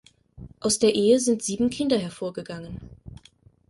Aus der Ehe sind sieben Kinder hervorgegangen.